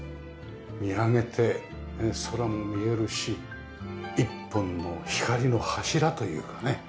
見上げて空も見えるし一本の光の柱というかね